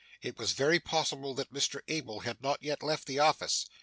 It was very possible that Mr Abel had not yet left the office.